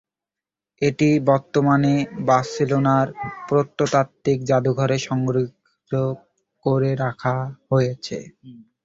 এটি বর্তমানে বার্সেলোনার প্রত্নতাত্ত্বিক জাদুঘরে সংরক্ষিত করে রাখা হয়েছে।